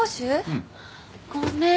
うん。ごめん。